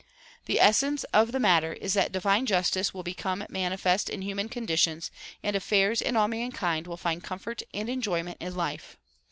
The essence of the matter is that divine justice will become manifest in human conditions and affairs and all mankind will find comfort and enjoyment in life.